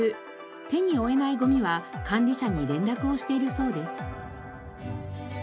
手に負えないゴミは管理者に連絡をしているそうです。